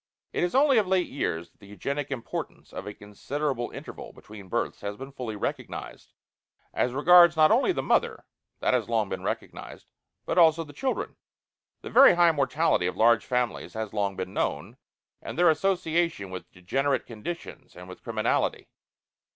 It is only of late years that the eugenic importance of a considerable interval between births has been fully recognized, as regards not only the mother this has long been recognized but also the children. The very high mortality of large families has long been known, and their association with degenerate conditions and with criminality.